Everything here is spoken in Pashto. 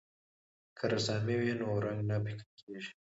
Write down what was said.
که رسامي وي نو رنګ نه پیکه کیږي.